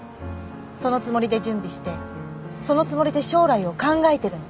そのつもりで準備してそのつもりで将来を考えてるの。